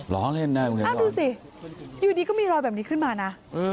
ล้อเล่นได้ดูสิอยู่ดีก็มีรอยแบบนี้ขึ้นมานะ